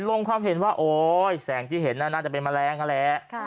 ลงความเห็นว่าโอ๊ยแสงที่เห็นน่าจะเป็นแมลงนั่นแหละ